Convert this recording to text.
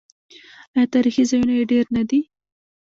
آیا تاریخي ځایونه یې ډیر نه دي؟